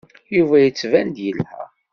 Yuba yettban-d yelha.